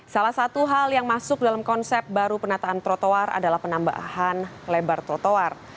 salah satu hal yang masuk dalam konsep baru penataan trotoar adalah penambahan lebar trotoar